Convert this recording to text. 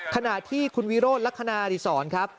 ขณะที่คุณวิโรธลักษณาดิสร